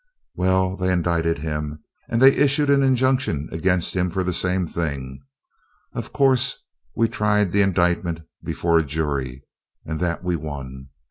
Well, they indicted him and they issued an injunction against him for the same thing. Of course, we tried the indictment before a jury, and that we won.